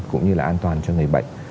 cũng như là an toàn cho người bệnh